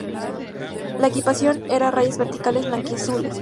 La equipación era a rayas verticales blanquiazules.